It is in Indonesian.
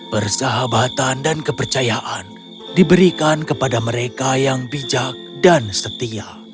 persahabatan dan kepercayaan diberikan kepada mereka yang bijak dan setia